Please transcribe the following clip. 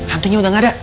hantunya udah gak ada